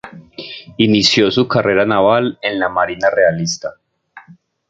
Inició su carrera naval en la marina realista.